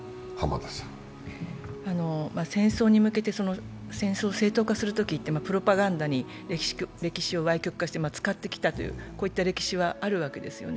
戦争に向けて、戦争を正当化するときにプロパガンダに歴史をわい曲して使ってきたというこういった歴史はあるわけですよね。